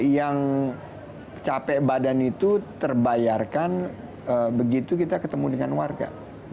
yang capek badan itu terbayarkan begitu kita ketemu dengan warga